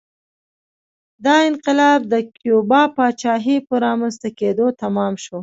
دا انقلاب د کیوبا پاچاهۍ په رامنځته کېدو تمام شو